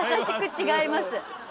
「違います」。